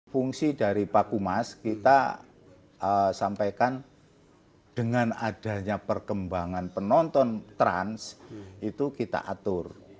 fungsi dari pakumas kita sampaikan dengan adanya perkembangan penonton trans itu kita atur